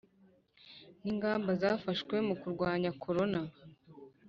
n ingamba zafashwe mu kurwanya korona